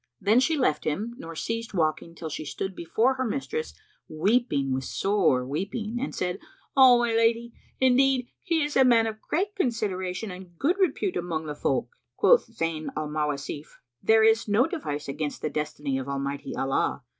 Then she left him nor ceased walking till she stood before her mistress weeping with sore weeping, and said, "O my lady, indeed he is a man of great consideration, and good repute among the folk." Quoth Zayn al Mawasif, "There is no device against the destiny of Almighty Allah!